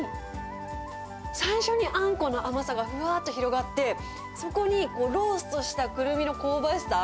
最初にあんこの甘さがふわっと広がって、そこにローストしたくるみの香ばしさ。